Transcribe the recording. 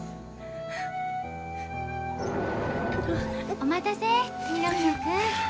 お待たせ二宮君。